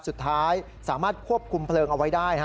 สุดท้ายสามารถควบคุมเพลิงเอาไว้ได้